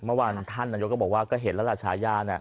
เมื่อวานท่านนายกก็บอกว่าก็เห็นแล้วล่ะฉายาน่ะ